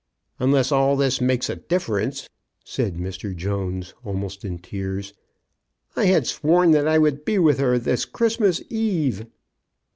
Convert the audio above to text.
'* Unless all this makes a difference," said Mr. Jones, almost in tears. *' I had sworn that I would be with her this Christmas eve."